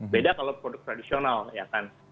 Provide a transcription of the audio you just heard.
beda kalau produk tradisional ya kan